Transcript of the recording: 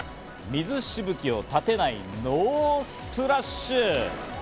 水しぶきを立てないノースプラッシュ。